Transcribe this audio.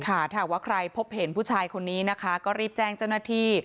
ค่ะถ้าว่าใครพบเห็นผู้ชายคนนี้นะคะก็รีบแจ้งเจ้าหน้าที่